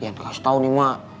ian kasih tau nih emak